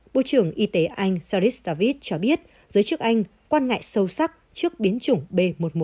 bộ trưởng y tế anh siris david cho biết giới chức anh quan ngại sâu sắc trước biến chủng b một một năm trăm hai mươi chín